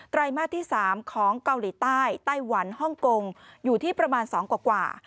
ไรมาสที่๓ของเกาหลีใต้ไต้หวันฮ่องกงอยู่ที่ประมาณ๒กว่า